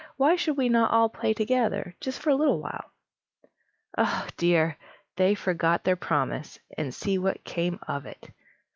Why should we not all play together, just for a little while?" Oh dear! they forgot their promise, and see what came of it!